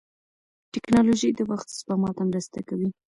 ټکنالوژي د وخت سپما ته مرسته کوي.